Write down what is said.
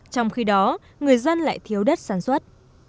trong khi đó người dân lại thiếu đất sản xuất